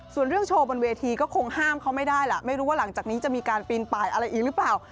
ส่วนเรื่องโชว์บนเวทีก็คงห้ามเขาไม่ได้ล่ะไม่รู้ว่าหลังจากนี้จะมีการปีนป่ายอะไรอีกหรือเปล่า